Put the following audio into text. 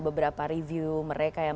beberapa review mereka yang